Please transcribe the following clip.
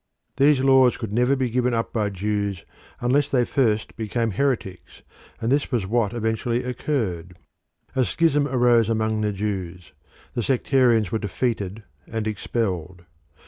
These laws could never be given up by Jews unless they first became heretics, and this was what eventually occurred. A schism arose among the Jews: the sectarians were defeated and expelled.